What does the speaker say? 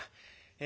え